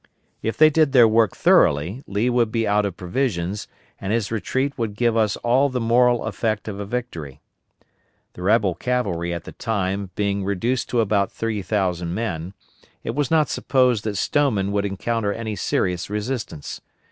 If they did their work thoroughly, Lee would be out of provisions, and his retreat would give us all the moral effect of a victory. The rebel cavalry at the time being reduced to about 3,000 men, it was not supposed that Stoneman would encounter any serious resistance.